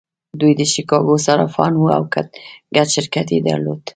دوی د شیکاګو صرافان وو او ګډ شرکت یې درلود